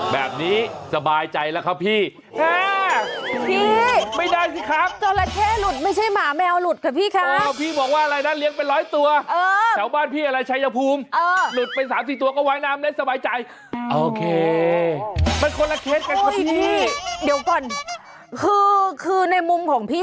อ๋อแบบนี้สบายใจแล้วครับพี่